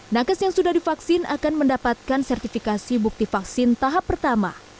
nakes yang sudah divaksin akan mendapatkan sertifikasi bukti vaksin tahap pertama